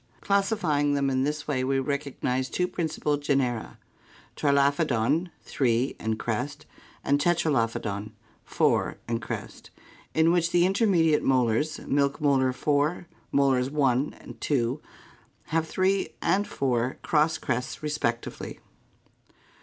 Classifying them in this way we recognize two principal genera, TrUophodon (Gr. t/m , three, and Xtfyos, crest) and Tetralophodon (Gr. Terpar, four, and Xctyo?, crest) in which the intermediate molars (milk molar 4, molars 1, 2) have three and four cross crests respectively.